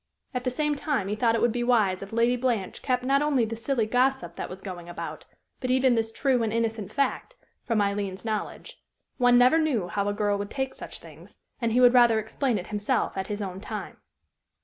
At the same time he thought it would be wise if Lady Blanche kept not only the silly gossip that was going about, but even this true and innocent fact, from Aileen's knowledge. One never knew how a girl would take such things, and he would rather explain it himself at his own time.